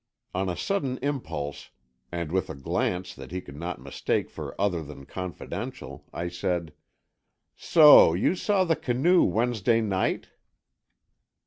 On a sudden impulse, and with a glance that he could not mistake for other than confidential, I said: "So you saw the canoe Wednesday night?"